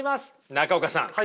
中岡さん